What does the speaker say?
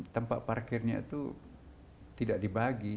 tempat parkirnya itu tidak dibagi